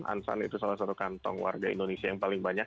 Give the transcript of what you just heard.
ansan itu salah satu kantong warga indonesia yang paling banyak